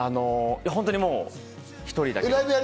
本当に１人だけ。